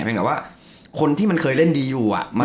เป็นแบบว่าคนที่มันเคยเล่นดีอยู่